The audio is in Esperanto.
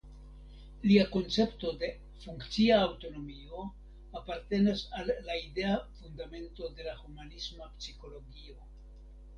Lia koncepto de "funkcia aŭtonomio" apartenas al la idea fundamento de la humanisma psikologio.